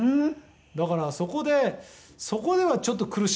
「だからそこでそこではちょっと苦しんでましたね」